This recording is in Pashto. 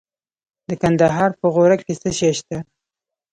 د کندهار په غورک کې څه شی شته؟